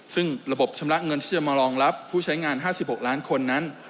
ซึ่งระบบชำระเงินที่จะมารองรับผู้ใช้งาน๕๖ล้านคนนั้น